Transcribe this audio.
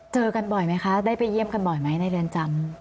เจอกันบ่อยไหมคะได้ไปเยี่ยมกันบ่อยไหมในเรือนจำ